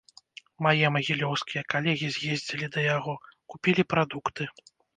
Мае магілёўскія калегі з'ездзілі да яго, купілі прадукты.